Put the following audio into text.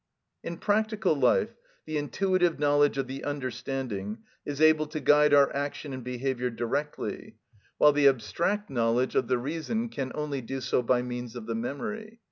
In practical life the intuitive knowledge of the understanding is able to guide our action and behaviour directly, while the abstract knowledge of the reason can only do so by means of the memory.